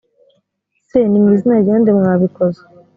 se ni mu izina rya nde mwabikoze